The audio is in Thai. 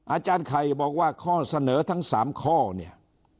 อาจารย์ไข่บอกว่าข้อเสนอทั้ง๓ข้อเนี่ย